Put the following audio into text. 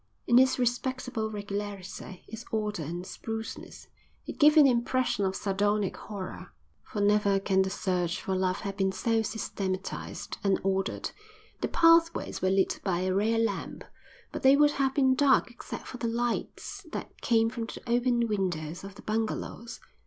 In its respectable regularity, its order and spruceness, it gave an impression of sardonic horror; for never can the search for love have been so systematised and ordered. The pathways were lit by a rare lamp, but they would have been dark except for the lights that came from the open windows of the bungalows.